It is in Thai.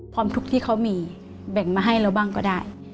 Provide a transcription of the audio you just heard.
ทุกข์ที่เขามีแบ่งมาให้เราบ้างก็ได้